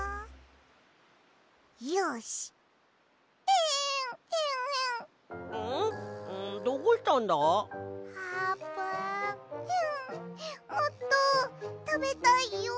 エンもっとたべたいよ。